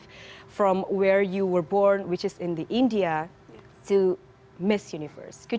dari tempat anda lahir yaitu di india ke kembali ke universitas miss